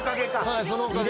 はいそのおかげで。